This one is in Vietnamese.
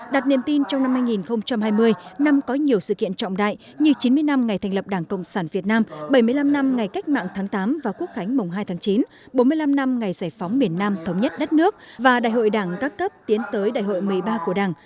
đạt niềm tin trong năm hai nghìn hai mươi năm có nhiều sự kiện trọng đại như chín mươi năm ngày thành lập đảng cộng sản việt nam bảy mươi năm năm ngày cách mạng tháng tám và quốc khánh mùng hai tháng chín bốn mươi năm năm ngày giải phóng miền nam thống nhất đất nước và đại hội đảng các cấp tiến tới đại hội một mươi ba của đảng